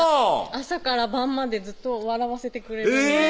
朝から晩までずっと笑わせてくれるえぇ